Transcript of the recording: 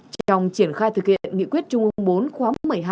trong triển khai thực hiện nghị quyết trung ương bốn khóa một mươi hai